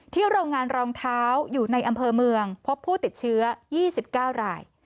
โรงงานรองเท้าอยู่ในอำเภอเมืองพบผู้ติดเชื้อ๒๙ราย